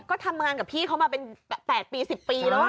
ก็ทำงานกับพี่เขามาเป็น๘ปี๑๐ปีแล้ว